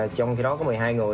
trong khi đó có một mươi hai người